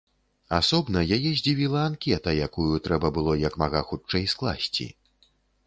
Асобна яе здзівіла анкета, якую трэба было як мага хутчэй скласці.